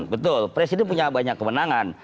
betul presiden punya banyak kemenangan